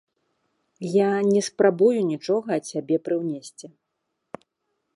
Я не спрабую нічога ад сябе прыўнесці.